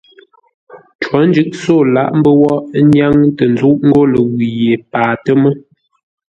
Cǒ njʉʼ-sô lǎʼ mbə́ wó ə́ nyáŋ tə́ ńzúʼ ńgó ləwʉ̂ ye paatə́ mə́.